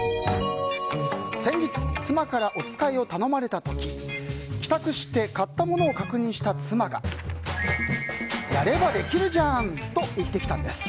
先日、妻からおつかいを頼まれた時帰宅して買ったものを確認した妻がやればできるじゃん！と言ってきたんです。